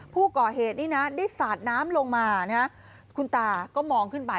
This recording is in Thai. ผู้ก่อเหตุนี่นะได้สาดน้ำลงมาคุณตาก็มองขึ้นไป